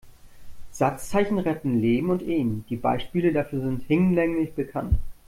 Satzzeichen retten Leben und Ehen, die Beispiele dafür sind hinlänglich bekannt.